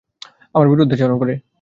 আমার বিরুদ্ধাচরণ করে।